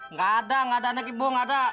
nggak ada nggak ada anak ibu nggak ada